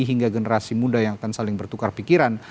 hingga generasi muda yang akan saling bertukar pikiran